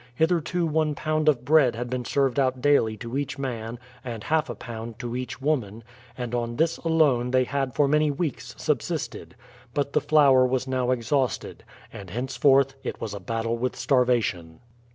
Hitherto one pound of bread had been served out daily to each man and half a pound to each woman, and on this alone they had for many weeks subsisted; but the flour was now exhausted, and henceforth it was a battle with starvation.